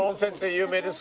有名です。